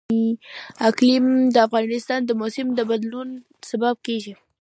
اقلیم د افغانستان د موسم د بدلون سبب کېږي.